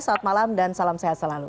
selamat malam dan salam sehat selalu